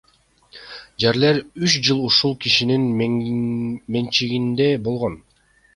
Жерлер үч жыл ушул кишинин менчигинде болгон.